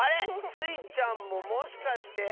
スイちゃんももしかして？